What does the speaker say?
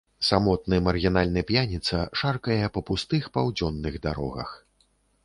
Самотны маргінальны п'яніца шаркае па пустых паўдзённых дарогах.